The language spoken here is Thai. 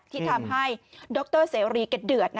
ที่ทำให้ดรเสวรีเกลือดนะ